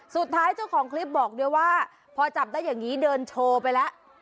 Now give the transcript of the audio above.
เจ้าของคลิปบอกด้วยว่าพอจับได้อย่างนี้เดินโชว์ไปแล้ว